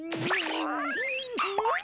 うん！